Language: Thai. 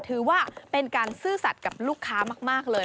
ถือว่าเป็นการซื่อสัตว์กับลูกค้ามากเลย